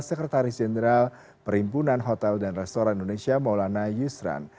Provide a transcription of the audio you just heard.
sekretaris jenderal perhimpunan hotel dan restoran indonesia maulana yusran